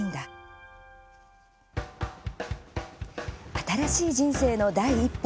新しい人生の第一歩。